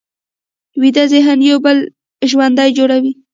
ویده ذهن یو بل ژوند جوړوي